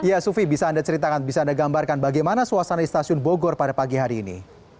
ya sufi bisa anda ceritakan bisa anda gambarkan bagaimana suasana di stasiun bogor pada pagi hari ini